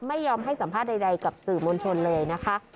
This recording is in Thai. ไม่ยอมให้สัมภาษณ์ใดกับสื่อมวลชนเลยนะคะ